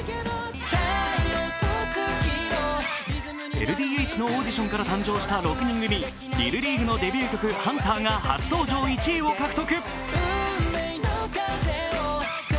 ＬＤＨのオーディションから誕生した６人組ＬＩＬＬＥＡＧＵＥのデビュー曲「Ｈｕｎｔｅｒ」が初登場１位を獲得。